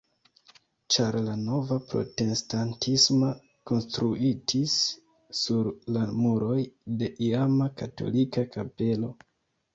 Ĉar la nova protestantisma konstruitis sur la muroj de iama katolika kapelo.